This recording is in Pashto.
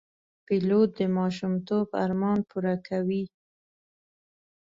پیلوټ د ماشومتوب ارمان پوره کوي.